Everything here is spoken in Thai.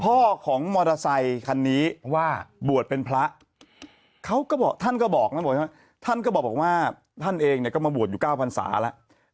พ่อของมอเตอร์ไซคันนี้ว่าบวชเป็นพระเขาก็บอกท่านก็บอกนะบอกว่าท่านก็บอกว่าท่านเองเนี่ยก็มาบวชอยู่๙พันศาแล้ว